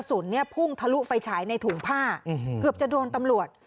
เนี่ยพุ่งทะลุไฟฉายในถุงผ้าเกือบจะโดนตำรวจ